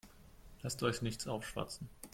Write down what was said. Lasst euch nichts aufschwatzen.